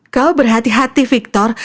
kau berhati hati victor